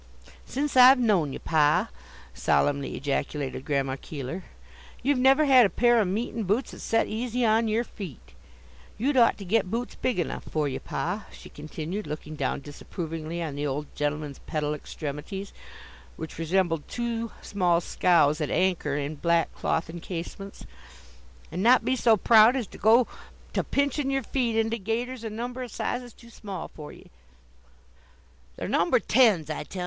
"Since I've known ye, pa," solemnly ejaculated Grandma Keeler, "you've never had a pair o' meetin' boots that set easy on yer feet. You'd ought to get boots big enough for ye, pa," she continued, looking down disapprovingly on the old gentleman's pedal extremities, which resembled two small scows at anchor in black cloth encasements: "and not be so proud as to go to pinchin' yer feet into gaiters a number o' sizes too small for ye." "They're number tens, I tell ye!"